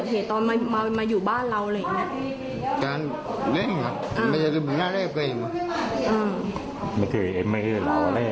เพราะว่าเขาระบายให้ฟังแล้วเขามีเรื่องกับใครไหมอะไร